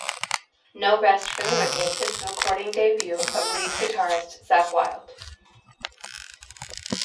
"No Rest for the Wicked" is the recording debut of lead guitarist Zakk Wylde.